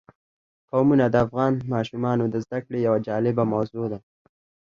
قومونه د افغان ماشومانو د زده کړې یوه جالبه موضوع ده.